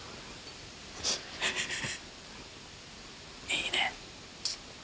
いいね！